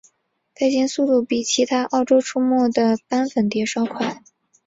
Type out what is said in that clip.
飞行速度比其他澳洲出没的斑粉蝶稍快。